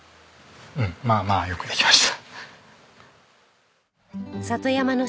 うんまあまあよくできました。